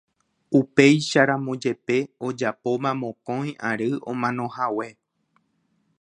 upéicharamo jepe ojapóma mokõi ary omanohague